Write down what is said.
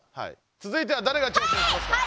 つづいてはだれが挑戦しますか？